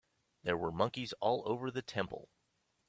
There were monkeys all over the temple.